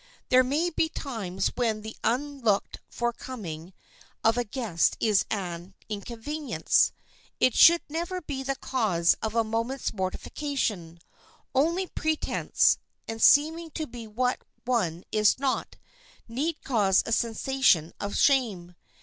There may be times when the unlooked for coming of a guest is an inconvenience. It should never be the cause of a moment's mortification. Only pretense, and seeming to be what one is not, need cause a sensation of shame.